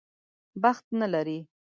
بخت نه لري.